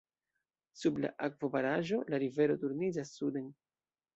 Sub la akvobaraĵo, la rivero turniĝas suden.